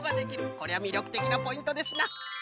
こりゃみりょくてきなポイントですな。